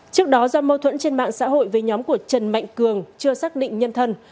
trước đó do mâu thuẫn trên mạng xã hội với nhóm của trần mạnh cường chưa xác định nhân thân